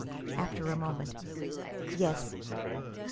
After a moment "Yes."